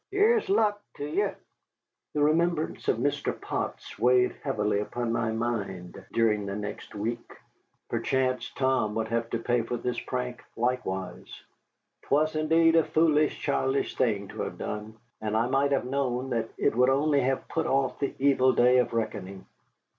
"Here's luck to ye!" The remembrance of Mr. Potts weighed heavily upon my mind during the next week. Perchance Tom would have to pay for this prank likewise. 'Twas indeed a foolish, childish thing to have done, and I might have known that it would only have put off the evil day of reckoning.